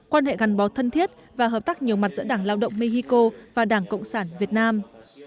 quan hệ gắn bó thân thiết và hợp tác nhiều mặt giữa đảng lao động mexico và đảng cộng sản việt nam